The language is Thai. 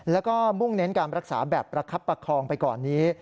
แล้วก็มุ่งเน้นการรักษาแบบประคับประคองไปก่อนนี้